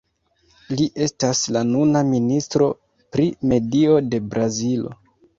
Li estas la nuna Ministro pri Medio de Brazilo.